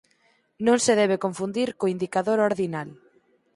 Non se debe de confundir co indicador ordinal.